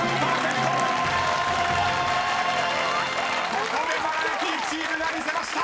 ［ここでバラエティチームが魅せました！